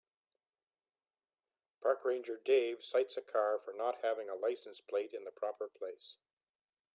Park ranger Dave cites a car for not having a license plate in the proper place